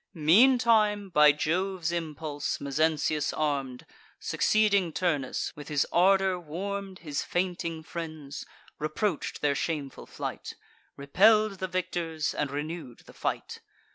Meantime, by Jove's impulse, Mezentius arm'd, Succeeding Turnus, with his ardour warm'd His fainting friends, reproach'd their shameful flight, Repell'd the victors, and renew'd the fight.